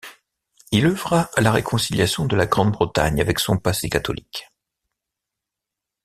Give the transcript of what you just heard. Il œuvra à la réconciliation de la Grande-Bretagne avec son passé catholique.